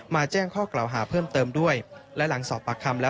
แจ้งข้อกล่าวหาเพิ่มเติมด้วยและหลังสอบปากคำแล้ว